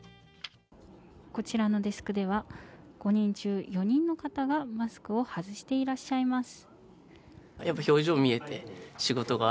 こちらのデスクでは５人中、４人の方がマスクを外していらっしゃいます。